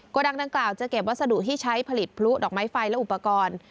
ดังดังกล่าวจะเก็บวัสดุที่ใช้ผลิตพลุดอกไม้ไฟและอุปกรณ์